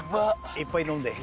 いっぱい飲んで。